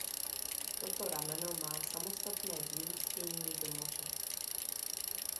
Toto rameno má samostatné vyústění do moře.